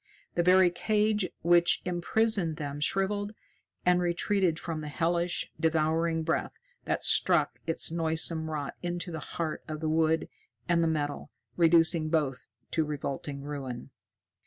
The very cage which imprisoned them shriveled and retreated from the hellish, devouring breath that struck its noisome rot into the heart of the wood and the metal, reducing both to revolting ruin.